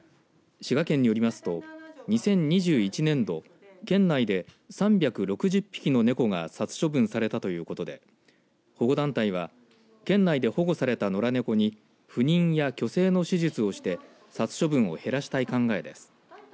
滋賀県によりますと２０２１年度県内で３６０匹の猫が殺処分されたということで保護団体は県内で保護された野良猫に不妊や去勢の手術をして殺処分を減らしたい考えです。